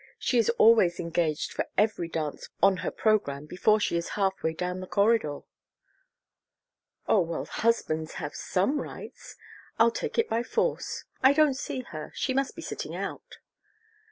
She is always engaged for every dance on her program before she is halfway down this corridor." "Oh, well, husbands have some rights. I'll take it by force. I don't see her she must be sitting out."